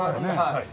はい。